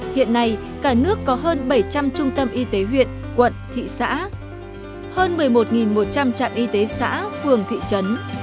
hiện nay cả nước có hơn bảy trăm linh trung tâm y tế huyện quận thị xã hơn một mươi một một trăm linh trạm y tế xã phường thị trấn